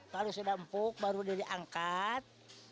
lalu sudah empuk baru diangkat